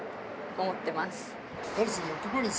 思ってます。